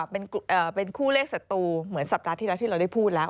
เป็นคู่เลขศัตรูเหมือนสัปดาห์ที่แล้วที่เราได้พูดแล้ว